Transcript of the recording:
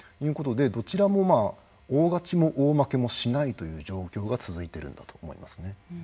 どちらも大勝ちも大負けもしないという状況が続いているんだと思います。